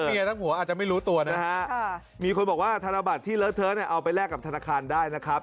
ทั้งผัวอาจจะไม่รู้ตัวนะฮะมีคนบอกว่าธนบัตรที่เลอะเทอะเนี่ยเอาไปแลกกับธนาคารได้นะครับ